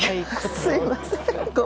すみません。